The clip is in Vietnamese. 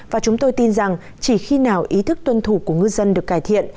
và chúng tôi tin rằng chỉ khi nào ý thức tuân thủ của ngư dân được cải thiện